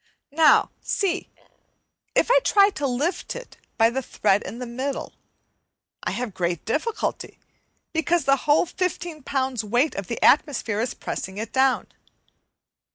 Now see! if I try to lift it by the thread in the middle, I have great difficulty, because the whole 15 pounds' weight of the atmosphere is pressing it down.